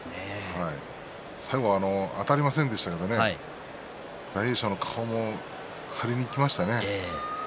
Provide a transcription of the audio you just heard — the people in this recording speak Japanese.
最後、あたりませんでしたけどね大栄翔の顔も張りにいきましたね。